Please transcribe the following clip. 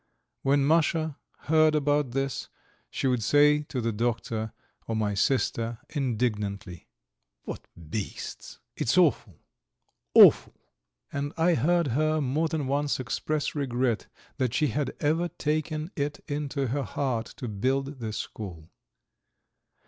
When Masha heard about this, she would say to the doctor or my sister indignantly: "What beasts! It's awful! awful!" And I heard her more than once express regret that she had ever taken it into her head to build the school.